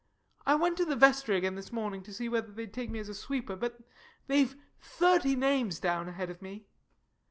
I went to the Vestry again, this morning, to see whether they'd take me as sweeper but they've thirty names down, ahead of me.